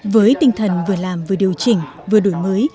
với tinh thần vừa làm vừa điều chỉnh vừa đổi mới